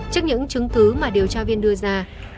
trước những chứng cứ mà điều tra viên đưa ra